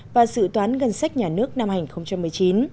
và dự toán ngân sách nhà nước năm hành một mươi chín